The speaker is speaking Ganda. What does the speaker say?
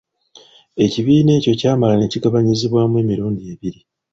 Ekibiina ekyo kyamala ne kigabanyizibwamu emirundi ebiri.